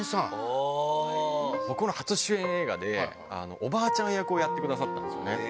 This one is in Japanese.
僕の初主演映画で、おばあちゃん役をやってくださったんですよね。